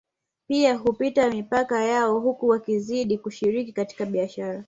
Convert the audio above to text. Pia hupita mipaka yao huku wakizidi kushiriki katika biashara